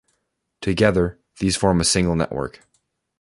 Together these form a single network.